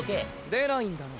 出ないんだな。